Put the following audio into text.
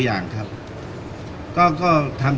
การสำรรค์ของเจ้าชอบใช่